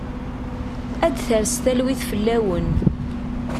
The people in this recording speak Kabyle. Ad d-tres talwit fell-awen.